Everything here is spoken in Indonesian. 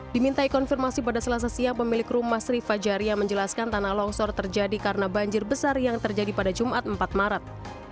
dimintai konfirmasi pada selasa siang pemilik rumah sri fajaria menjelaskan tanah longsor terjadi karena banjir besar yang terjadi pada jumat empat maret